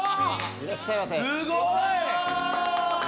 いらっしゃいませ。